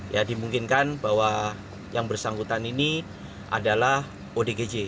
ya dimungkinkan bahwa yang bersangkutan ini adalah odgj